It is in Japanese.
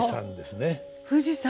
富士山？